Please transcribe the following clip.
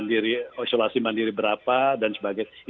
isolasi mandiri berapa dan sebagainya